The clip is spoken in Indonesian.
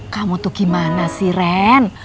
kamu tuh gimana sih ren